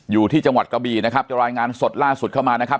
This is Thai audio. อยู่ที่จังหวัดกระบีนะครับจะรายงานสดล่าสุดเข้ามานะครับ